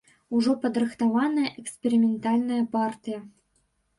Ужо падрыхтаваная эксперыментальная партыя.